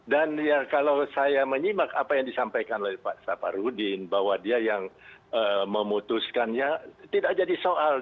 ya kalau saya menyimak apa yang disampaikan oleh pak saparudin bahwa dia yang memutuskannya tidak jadi soal